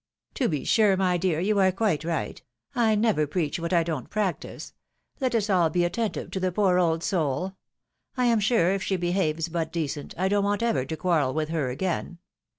" To be sure, my dear, you are quite right. I never preach what I don't practise. Let us all be attentive to the poor old soul. I am sure, if she behaves but decent, I don't want ever to quarrel with her again.